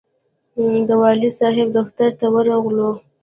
د والي صاحب دفتر ته ورغلو.